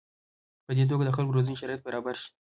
په دې توګه د خلکو روزنې شرایط برابر شي.